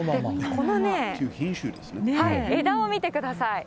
この枝を見てください。